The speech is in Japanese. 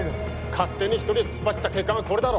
勝手に一人で突っ走った結果がこれだろ